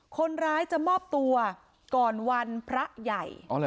คนร้ายจะมอบตัวก่อนวันพระใหญ่